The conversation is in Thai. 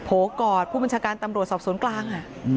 กอดผู้บัญชาการตำรวจสอบสวนกลาง